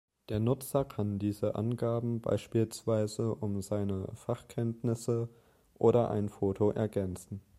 Der Nutzer kann diese Angaben beispielsweise um seine Fachkenntnisse oder ein Foto ergänzen.